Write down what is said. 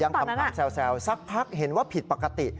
คำถามแซวสักพักเห็นว่าผิดปกติ